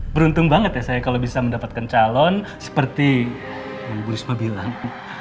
beruntung banget ya saya kalau bisa mendapatkan calon seperti bu risma bilang